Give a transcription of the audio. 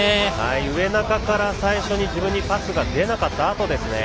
植中から自分にパスが出なかったあとですね。